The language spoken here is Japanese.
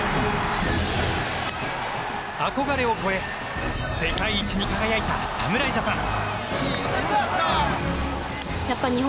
憧れを超え世界一に輝いた侍ジャパン。